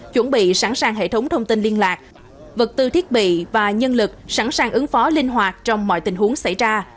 chuẩn bị sẵn sàng hệ thống thông tin liên lạc vật tư thiết bị và nhân lực sẵn sàng ứng phó linh hoạt trong mọi tình huống xảy ra